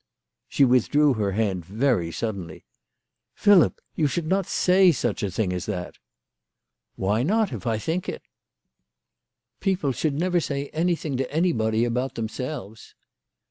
She withdrew her hand very suddenly. " Philip, you should not say such a thin gf as that." "Why not, if I think it?" 120 THE LADY OF LAUNAY. " People should never say anything to anybody about themselves."